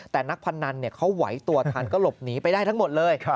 แต่นักพนันเขาไหวตัวทันก็หลบหนีไปได้ทั้งหมดเลย